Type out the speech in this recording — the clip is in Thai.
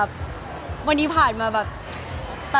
คือบอกเลยว่าเป็นครั้งแรกในชีวิตจิ๊บนะ